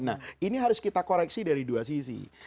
nah ini harus kita koreksi dari dua sisi